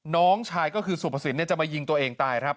น้องชายก็คือสุภสินจะมายิงตัวเองตายครับ